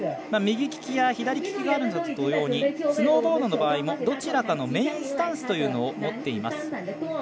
右利きや左利きがあるのと同様にスノーボードの場合もどちらかのメインスタンスというのを持っています。